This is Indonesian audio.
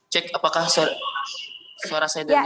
cek apakah suara saya dan